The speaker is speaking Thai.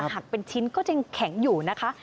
หักเป็นชิ้นก็ยังแข็งอยู่นะคะ